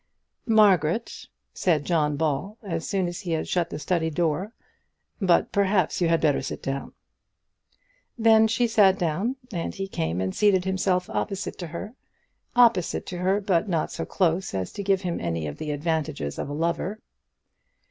"Margaret," said John Ball, as soon as he had shut the study door; "but, perhaps, you had better sit down." Then she sat down, and he came and seated himself opposite to her; opposite her, but not so close as to give him any of the advantages of a lover.